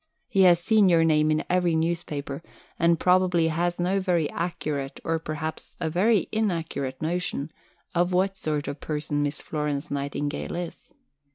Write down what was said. He has seen your name in every newspaper, and probably has no very accurate, or perhaps a very inaccurate notion, of what sort of person Miss Florence Nightingale is.